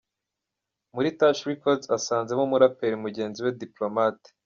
Muri Touch Records asanzemo umuraperi mugenzi we Diplomat.